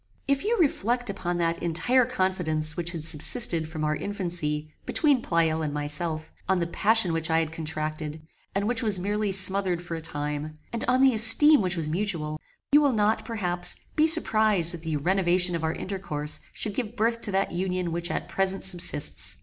If you reflect upon that entire confidence which had subsisted from our infancy between Pleyel and myself; on the passion that I had contracted, and which was merely smothered for a time; and on the esteem which was mutual, you will not, perhaps, be surprized that the renovation of our intercourse should give birth to that union which at present subsists.